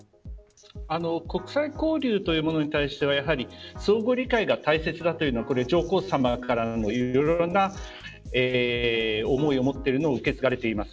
国際交流というものに対してはやはり相互理解が大切だというのは上皇さまからのいろいろな思いを持っているのを受け継がれています。